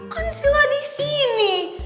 kan sila disini